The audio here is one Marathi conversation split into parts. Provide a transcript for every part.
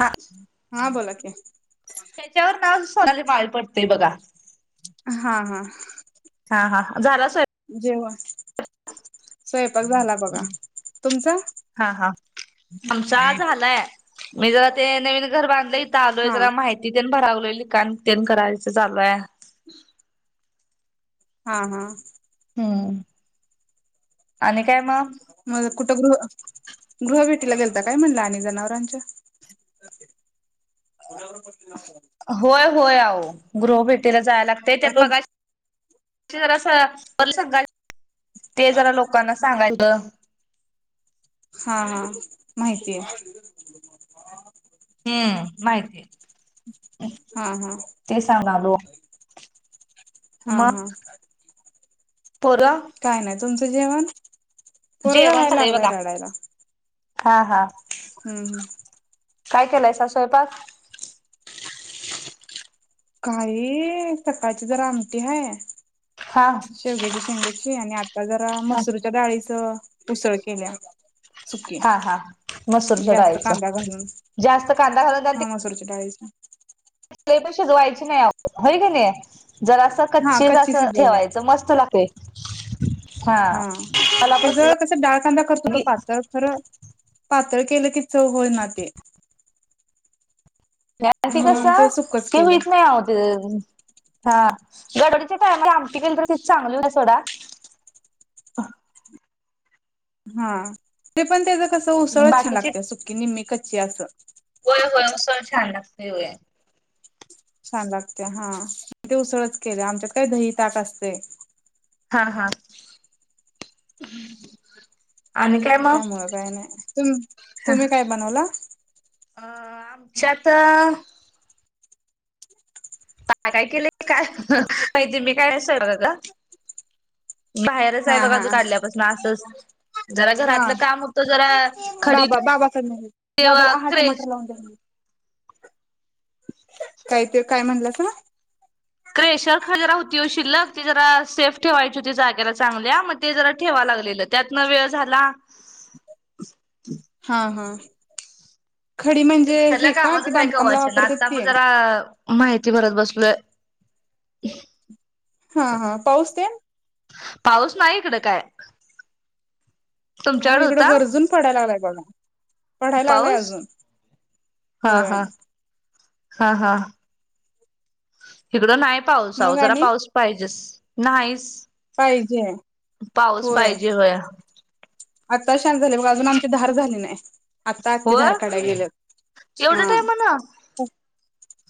हा. हा बोला की. [unintelligible] त्याच्यावर नाव सोनाली माळी पडतंय बघा. हा हा. हा हा झाला जेवा स्वयंपाक झाला बघा. तुमचा हा हा, आमचा झालाय मी जरा ते घर बांधलय आलोय हा जरा माहिती तेन भरावं लिखाण तेन करायचं चालू आय. हा हा. हम् आणि काय मग? मग कुठं गृह [unintelligible] गेलता काय म्हणलं आणि जनावरांच्या? होय होय आओ. [unintelligible] भेटीला. जाय लागतय त्यात रोज मग [unintelligible] ते जरा लोकांना सांगायच. हा हा, माहिती आहे. हम्म, माहिती आहे. हा हा ते सांगालो. हा हा. पोर. काय नाही तुमचं जेवण? पोरग हाय झालंय लागलाय बघा. रडायला. हा हा. हम्म हम्म काय केलाय सा स्वयंपाक? का [unintelligible] सकाळची जरा आमटी हाय. हा शेवग्याच्या शेंगची आणि आता जरा मसूरच्या डाळीच उसळ केल्या, सुकी हा हा मसूरच्या जास्त डाळीचं कांदा घालून, जास्त कांदा हा मसूरच्या डाळी [inaudible] [unintelligible] शिजवायचे नाही अहो, होय की नाही? जर असं हा कच्ची असं शिजवल्या ठेवायचं मस्त लागते. हा मला त्या ज कसं डाळ कांदा करत होतो पातळ खरं पातळ केलं कि चौ होय ना ते. ते कस म्हणून सुकच ते केलं होळत नाही आते हा गडोडीच्या कायम आमटी पल तर ति चांगली हो सोडा हा ते पण त्याच कसं सळत छान बाकीची लागत सुटकी निम्मी कच अ अस होय होयसळ छान लागतऊय छान लागते हा ते उसळच केले आमच्यात काही दही ताक असते हा हा आणि काय मग त्यामुळं काही नाही तुम हा तुम्ही काय बनवला अ आमच्यात पा काय केले काय माहिती मी काय अस स तला बाहेरच आहे हा हा बघाजू काढल्यापासून असंच जरा हा घरातलं काम होतं जरा खडी बाबा बाबाचा तेव्हा बाबाला आहाा क्रेश टमाटर लावून द्या ह काय ते काय म्हटलं का क्रेशर खर जरा होती शिल्लक ते जरा सेफ ठेवायची होती जाग्याला चांगल्या, मग ते जरा ठेवा लागलेलं त्यातन वेळ झाला. हा हा खडी ते म्हणजे भरल्या हे का ते कामातचय बांधकामला कवाचान वापरतात आता ते मग जरा माहिती भरत बसलोय. [unintelligible] हा हा पाऊसतेन. पाऊस नाही इकडं काय. हो तुमच्याकडे होता इकडं गरजून पडाय लागलाय बगा. पढाय लागलाय पाऊस? अजून, हा होय. हा हा हा इकडं नाही पाऊस आव मग जरा आणि पाऊस पाहिजेस. नाहीस. पाहिजे पाऊस होय पाहिजे होया. आता शांत झाले बगा अजून आमची धार झाली नाही. आता आत्ती होय धारकाडाय गेल्यात एवढ्या हा. टायमानं? ख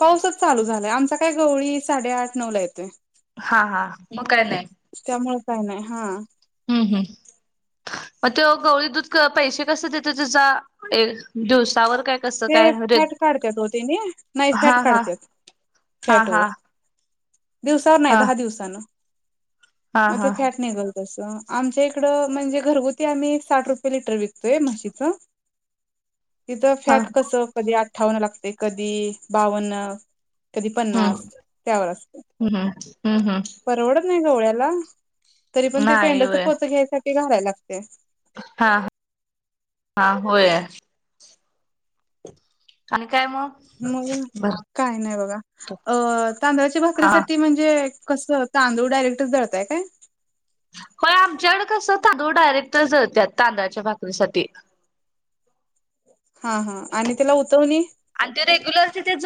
पाऊसच चालू झालाय. आमचा काय गवळी साडेआठ नऊ ला येतोय. हा हा मग काय नाही. त्यामुळे काय नाही, हा. हम्म हम् मग तो गवळी दूध पैसे कसे देत त्याचा दिवसावर. काय कसं ते काय रे फॅट काढत्यात ओ तेनी नाही फॅट हा हा काढत्यात हा फॅट हा वर. दिवसावर नाही हा दहा दिवसानं. हा हा मते फॅट हा निगल तसं आमच्या इकड म्हणजे घरगुती आम्ही साठ रुपये लिटर विकतोय म्हशीचं. इथ फॅट कधी अठ्ठावन्न लागते, कधी बावन्न, कधी हम्म पन्नास त्यावर असते. हम्म हम्म हम्म परवड नाही गवळ्याला तरी पण ते नाही पेंडयाच होय पोत घ्यायसाठी भरायला लाग ते हा, हा होय. आणि काय मग मग बर काय नाही बघा अ तांदळाच्या हा भाकरीसाठी म्हणजे कसं तांदूळ डायरेक्टच दळताय काय? होय आमच्याकडे कस तांदूळ डायरेक्टच दळतात तांदळाच्या भाकरीसाठी. हा हा आणि ते आणि ते रेग्युलर तिथेच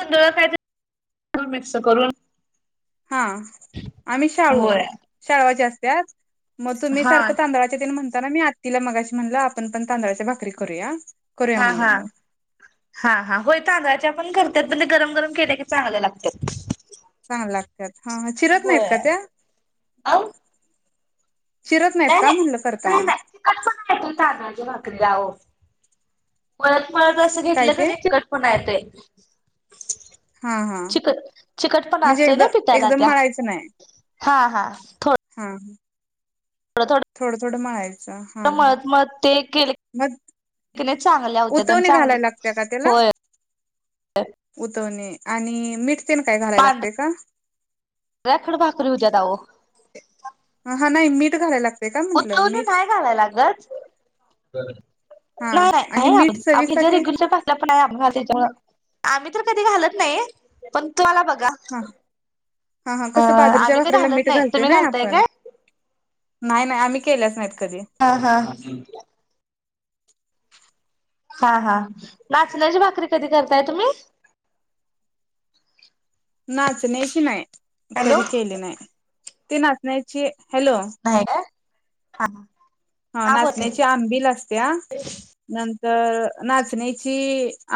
[unintelligible] हा आम्ही शाळू शाळवाची अस त्याच मग तुम्ही हा करता तांदळाची तर मी आत्तीला मगाशी म्हणलं आपण पण तांदळाच्या भाकरी करूया. करूया हा हा म्हणली मग हा हा होय, तांदळाच्या पण करतात पणे गरम गरम केल्या की चांगल्या लागत्यात. चांगल लागत्यात ह चिरत नाहीत का त्या. अहो चिरत नाहीत नाही का म्हणलं नाही नाही करताना नाही चीकटच पना असतोय तांदळाच्या भाकरीला ओ. काय ते [unintelligible] [unintelligible] [inaudible] हा हा चिकट, चिकट पणा म्हणजे असतोय एकद ना पिटाला एकदम त्या. मळायचं नाही हा हा थोड [inaudible] थोडं थोडं मळायचं हा थोडं मळत मळत ते केले मग की नाही चांगल्या होत्यात आणि उतवणी चांगल्या घालाय लागते का त्याला, होय उतवणी [unintelligible] लागते का [unintelligible] भाकरी होत्या ना ओ. आ हा नाही, मीठ घालाय लाग उतवणी नाय घालायल लागत. हा नाय आणि ह्या मीठ आपली ज्या चवीसाठी रेग्युलरच्या भाकऱ्यापण हाय [unintelligible] त्याच्यामुळं आम्ही कधी घालत नाही, पण तुम्हाला बघा. हा हा हा कसं अं बाजरीच्या आम्ही काय भाकरीला घालत नाही, तुम्ही घालताय काय? न्हाय न्हाय आम्ही केल्याच नाहीत कधी हा हा. हा हा, नाचण्याची भाकरी कधी करताय तुम्ही? नाचन्याची नाय. हॅलो कधी केली नाय. ते नाचण्याची हॅलो नाही काय? [inaudible] हा बोल की नाचण्याची आंबिल असत्या. नं तर नाचण्याची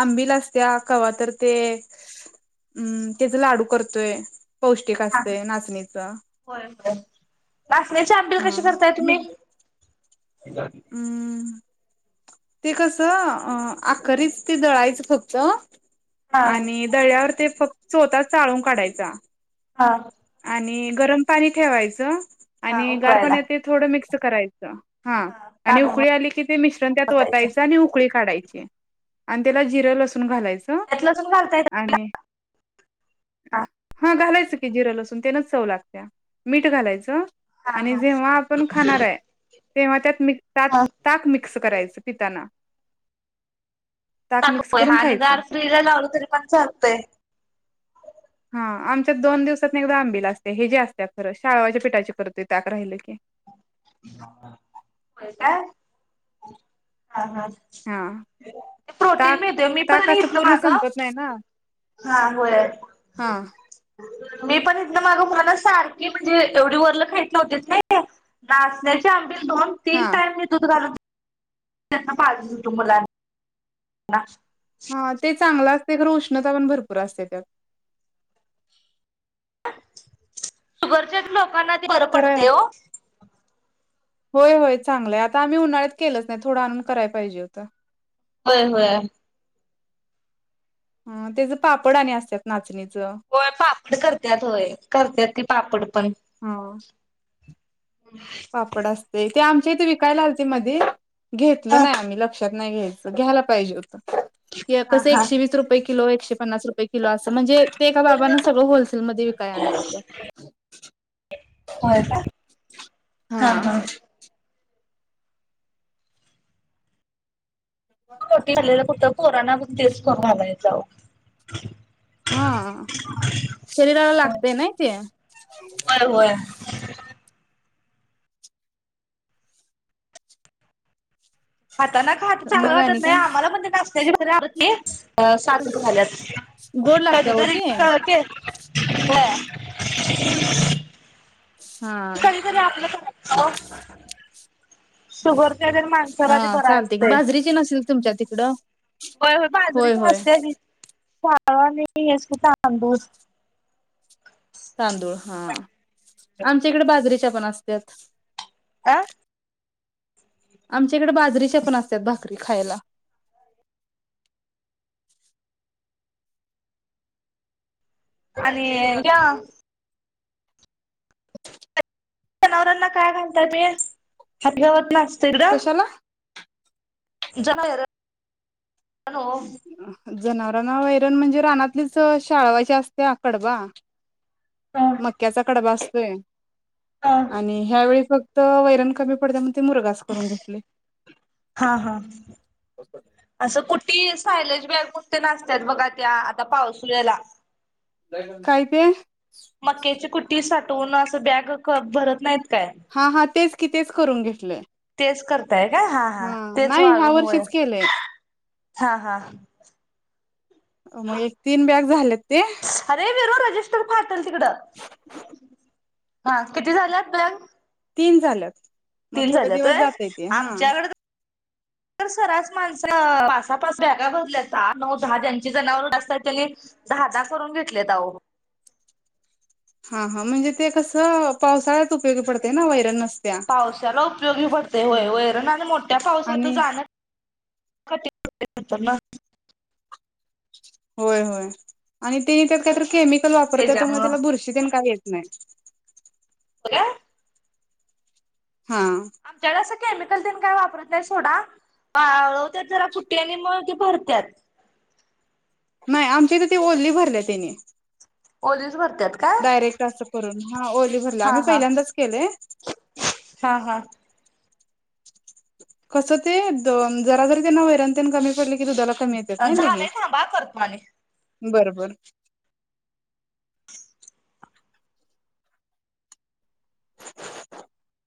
आंबिल असत्या, कवातर ते अं तेजं लाडू करतोय. पौष्टिक हा असतंय नाचणीच. होय होय नाचण्याची आंबिल कशी करताय तुम्ही? हम्म ते कसं, अं आकरीच ते दळायचं फक्त. हा आणि दळल्यावर ते फक्त चोता चाळून काढायचा. हा. आणि गरम पाणी ठेवायचं. हा आणि गार उकळायला पाण्यात ते थोडं मिक्स स करायचं. हा आणि उकळी आली, की ते मिश्रण त्यात वत वतायचं तायच आणि उकळी काढायची. आणि त्याला जिरं लसूण घालायचं. त्यात लसूण आणि हा. घालायचं की, जिरं लसूण तेनच चव लागत्या. मीठ घालायचं हा आणि हा जेव्हा आपण खाणार हाय तेव्हा त्यात मीठ ताक, हा ताक मिक्स करायचं ताना. ताक हा आणि रात्रीला गार फ्रिजला लावलं तरी पण चालतय. हा आमच्यात दोन दिवसात एकदा आंबिला असते, हे जे असते खरं शाळवाच्या पिठाचे खरं होय काय हा, हा. हा प्रोटीन ताक मीळत मी पण ताक असं हितन पूर्ण माग संपत नाही ना हा होय. हा मी पण इथन माग कोणाला सारखी म्हणजे एवढी वरलं खाईत नव्हतीत नई. नाचण्याची आंबील. दोन-तीन हा टाइम मी दूध घालून. त्यां पाजत होतो मुलांना. ना. हा ते चांगलं असतय. उष्णता पण भरपूर असते त्यात. शुगरच्या लोकांना. बरं खरंय पडतय ओ. होय होय चांगलंय आता आम्ही उन्हाळ्यात केलंच नाही थोडं आणून कराय पाहिजे होतं. होय होय. ह त्याच पापड आणि असत्यात नाचणीच. होय पापड करत्यात होय करत्यात की पापड पण. हा पापड असते ते आमच्या इथे विकायला आलती मधी... घेतलं हा नाही आम्ही. तर नाही घ्यायच घ्यायला पाहिजे होत. हा कसं हा एकशे वीस रुपये किलो एकशे.... पन्नास रुपये.. किलो अस म्हणजे ते एका बाबान सगळं होलसेलमध्ये. विकाय आणलं होत होय का हा हा [unintelligible] हा शरीराला लागतय नाही ते.... होय होय. हाता ना खात चांगलं मग वाटत आणि नाही काय आम्हाला पण त्या.... [unintelligible] सातशे झाली असतील गोड लागते हो कधीतरी ते इतक... [unintelligible] हा कधीतरी आपलं... हो हा चालते कि असतंय बाजरीचे नसेल तुमच्या तिकडं? होय होय बाजरीची असत्या की... [unintelligible] तांदूळ हा आमच्या इकडे बाजरी.... पण असत्यात. आ आमच्याकडे बाजरीच्या पण असतात भाकरी खायला. आणि ह्या--.. जनावरांना काय घालताय आणि हत्तीगावत न... कशाला.. [unintelligible] हॅलो जनावरांना वैरण म्हणजे रानातलीच शाळवाची असते कडबा... मक्याचा कडबा असतो हं आणि ह्यावेेळीफ.... हं वैरण कमी पडतय. ते मुरगास करून घेतले हा ती सायलेज बॅग कुठ असत्यात बघा त्या आता पाऊसोल्ह्याला.. काय ते मक्याची कुट्टी साठवून असं बॅग भरत नाहीत. काय? हा हा तेच कि तेच करून घेतलंय घेताय का हा हा तेच नाही ह्या वाळून वय वर्षीच केलंय हा हा मग एक तीन बॅग झालेत. अरे विरु र रजिस्टर फाड चल तिकडं. हा किती झाल्यात बॅग. तीन झाल्यात मग तीन थोडे झाल्यात दिवस जातय ते हा. हित सराास माणस पासा पासा बॅगा भरल्याहाआठ नऊ दहा ज्यांची जनावर जास्त आहेत त्यांनी दहा दहा करून घेतलेत अहो. हा हा म्हणजे ते कसं पावसाळ्यात उपयोगी पडते ना वैरन नस पावसाला उपयोगी पडते होय वैरण आणि मोठ्या पावसाात आणि जाणं. कठीण होतंय नंतर न. होय होय आणि त्यानी त्यात काही केमिक कल वापरत त्यामुळे त्याच्यामुळं त्या बुरशी तेन काय नाही काय हा आमच्याकडे असं केमिकल तेन काही वापरत नाही सोडा वाळवतात जरा कुठीवाणी मग ते भरतात नाही आमची इथ तर ती ओली भरल्या त्याने ओलीच भरतात डायरेक्ट असं करून हा ओली भरला हा आम्ही हा पहिल्यांदाच केलंय हा हा कस ते ज जरी त्यांना वैरन तेन कमी पडली झालंय थांबा करतो अनिक बरं बरं [unintelligible]